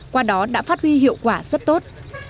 qua đó đã phát huy hiệu quả rất tốt